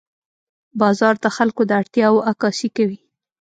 بازار د خلکو د اړتیاوو عکاسي کوي.